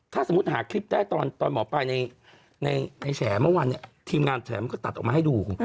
ถ้าสมมุติหาคลิปได้ตอนหมอปลายในแฉเมื่อวานเนี่ยทีมงานแฉมันก็ตัดออกมาให้ดู